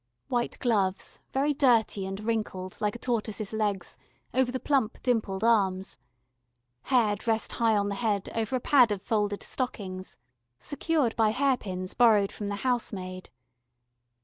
White gloves, very dirty and wrinkled like a tortoise's legs over the plump dimpled arms. Hair dressed high on the head over a pad of folded stockings, secured by hairpins borrowed from the housemaid.